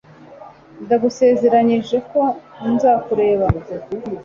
ndagusezeranije ko nzakureba